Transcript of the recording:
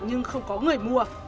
nhưng không có người mua